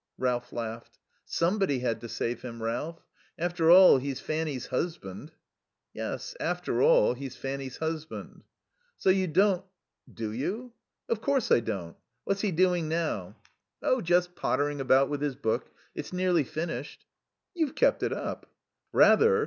Ralph laughed. "Somebody had to save him, Ralph. After all, he's Fanny's husband." "Yes, after all, he's Fanny's husband." "So you don't do you?" "Of course I don't.... What's he doing now?" "Oh, just pottering about with his book. It's nearly finished." "You've kept it up?" "Rather.